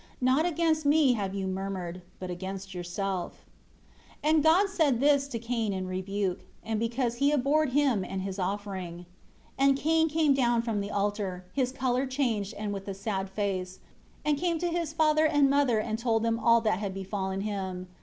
Not against Me have you murmured, but against yourself. 27 And God said this to Cain in rebuke, and because He abhorred him and his offering. 28 And Cain came down from the altar, his color changed and with a sad face, and came to his father and mother and told them all that had befallen him.